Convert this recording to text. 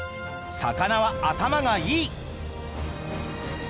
魚は頭がいい」。